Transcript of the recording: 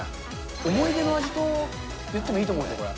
思い出の味と言ってもいいと思うよ、これ。